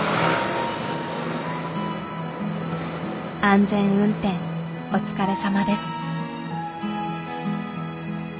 安全運転お疲れさまです。